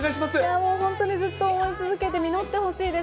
もう本当にずっと思い続けて、実ってほしいです。